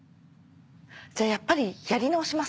じゃやっぱりやり直します。